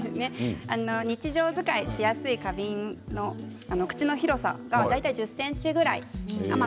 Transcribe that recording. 日常使いしやすい花瓶の口の広さが大体１０ｃｍくらいなんですね。